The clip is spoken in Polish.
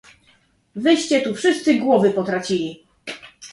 "Wyście tu wszyscy głowy potracili..."